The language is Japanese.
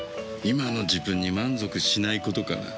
今の自分に満足しないことかな。